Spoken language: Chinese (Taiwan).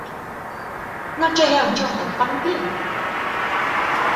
那這樣就很方便